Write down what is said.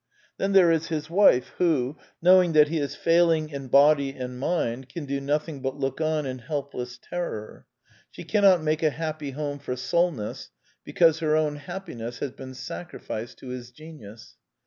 Then there is his wife, who, knowing that he is failing in body and mind, can do nothing but look on in helpless terror. She cannot make a happy home for Solness, because her own happiness has been sacrificed to his genius.